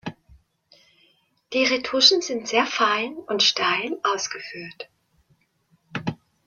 Die Retuschen sind sehr fein und steil ausgeführt.